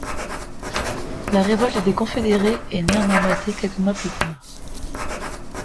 La révolte des confédérés est néanmoins matée quelques mois plus tard.